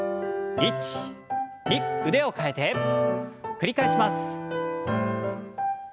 繰り返します。